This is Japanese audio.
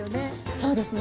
そうですね。